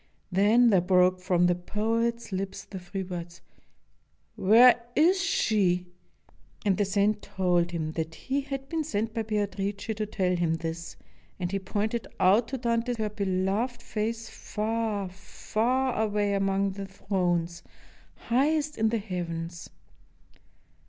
Then there broke from the poet's lips the three words, "Where is she?" And the saint told him that he had been sent by Beatrice to tell him this, and he pointed out to Dante her beloved face far, far away among the thrones, highest in the heavens.